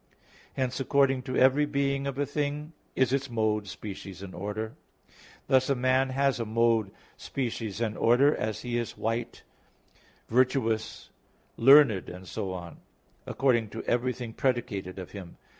Hence, according to every being of a thing is its mode, species, order. Thus, a man has a mode, species and order as he is white, virtuous, learned and so on; according to everything predicated of him.